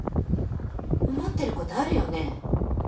思ってることあるよね？